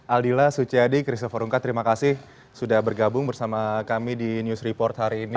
aldila suciadi christopher rungkat terima kasih sudah bergabung bersama kami di news report hari ini